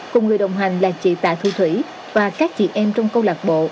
cùng người đồng hành là chị tạ thị thủy và các chị em trong câu lạc bộ